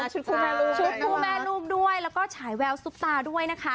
คู่แม่ลูกชุดคู่แม่ลูกด้วยแล้วก็ฉายแววซุปตาด้วยนะคะ